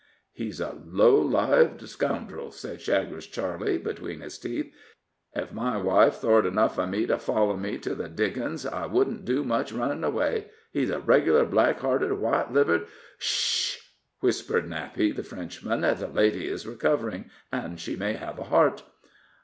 "He's a low lived scoundrel!" said Chagres Charley, between his teeth. "Ef my wife thort enough of me to follow me to the diggin's, I wouldn't do much runnin' away. He's a reg'lar black hearted, white livered " "Sh h h!" whispered Nappy, the Frenchman. "The lady is recovering, and she may have a heart."